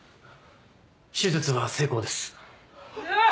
手術は成功です。